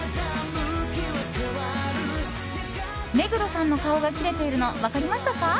目黒さんの顔が切れているの分かりましたか？